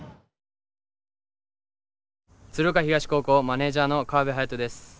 鶴岡東高校マネージャーの川辺颯人です。